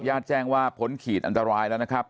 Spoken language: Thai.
ญาติแจ้งว่าผลขีดอันตรายแล้วนะครับ